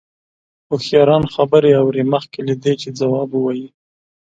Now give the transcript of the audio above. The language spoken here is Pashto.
هوښیاران خبرې اوري مخکې له دې چې ځواب ووايي.